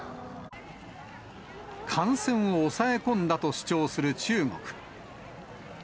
感染を抑え込んだと主張する中国。